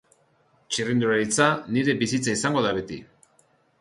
Txirrindularitza nire bizitza izango da beti.